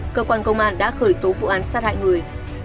cơ quan công an đã khởi tố vụ án sát hại người